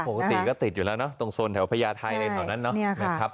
ปกติก็ติดอยู่แล้วเนอะตรงสนแถวพญาตาไทยไหนตัวนั้นเนอะ